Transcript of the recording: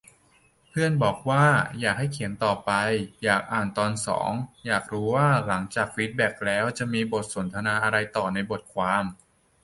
เพื่อนบอกว่า อยากให้เขียนต่อไป อยากอ่านตอนสอง อยากรู้ว่าหลังได้ฟีดแบคแล้วจะมีบทสนทนาอะไรต่อในบทความ